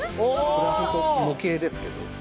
これは本当模型ですけど。